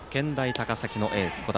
高崎のエース、小玉。